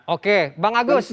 oke bang agus